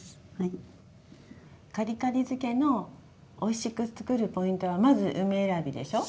カリカリ漬けのおいしくつくるポイントはまず梅選びでしょ？